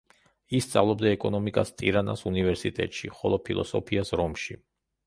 ის სწავლობდა ეკონომიკას ტირანას უნივერსიტეტში, ხოლო ფილოსოფიას რომში.